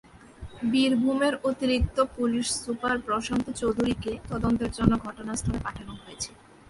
বীরভূমের অতিরিক্ত police super Prashanta চৌধুরীকে তদন্তের জন্য ঘটনাস্থলে পাঠানো হয়েছে।